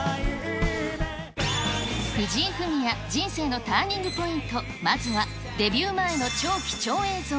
藤井フミヤ人生のターニングポイント、まずはデビュー前の超貴重映像。